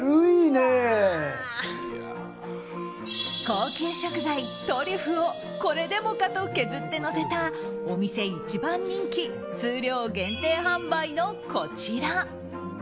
高級食材トリュフをこれでもかと削ってのせたお店一番人気数量限定販売のこちら。